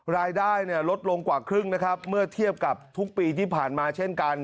รายได้เนี่ยลดลงกว่าครึ่งนะครับเมื่อเทียบกับทุกปีที่ผ่านมาเช่นกัน